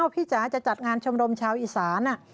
พี่จ๋าจะจัดงานชมรมชาวอีสาน